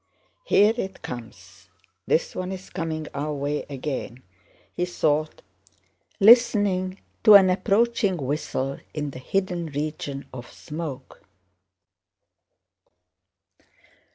"Here it comes... this one is coming our way again!" he thought, listening to an approaching whistle in the hidden region of smoke.